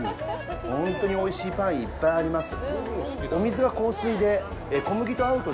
本当においしいパン、いっぱいあります。